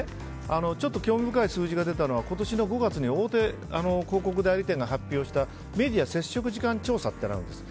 興味深い数字が出たのは今年の５月に大手広告代理店が発表したメディア接触時間調査というのがあるんです。